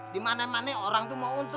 di mana mana orang memuji